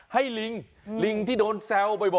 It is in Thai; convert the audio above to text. ลิงลิงที่โดนแซวบ่อย